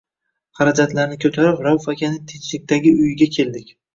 Xarajatni ko’tarib, Rauf akaning “Tinchlik”dagi uyiga keldik.